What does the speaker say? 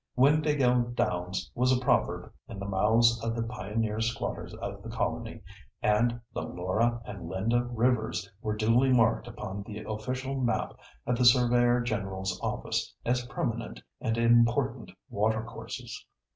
Windāhgil Downs was a proverb in the mouths of the pioneer squatters of the colony, and the Laura and Linda rivers were duly marked upon the official map at the Surveyor General's office as permanent and important watercourses.